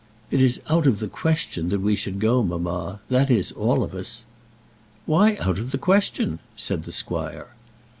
"It is out of the question that we should go, mamma; that is, all of us." "Why out of the question?" said the squire.